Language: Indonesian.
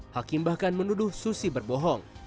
hakim bahkan menuduh susi berbohong